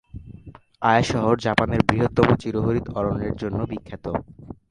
আয়া শহর জাপানের বৃহত্তম চিরহরিৎ অরণ্যের জন্য বিখ্যাত।